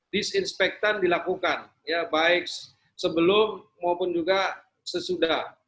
disinspektan dilakukan baik sebelum maupun juga sesudah